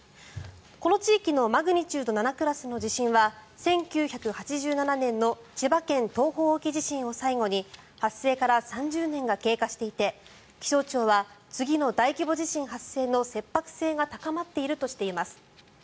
この地域のマグニチュード７クラスの地震は１９８７年の千葉県東方沖地震を最後に発生から３０年が経過していて気象庁は次の大規模地震発生の切迫性が高まっているとしています。